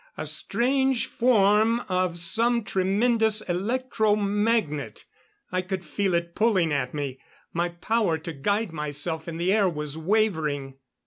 A strange form of some tremendous electro magnet. I could feel it pulling at me. My power to guide myself in the air was wavering.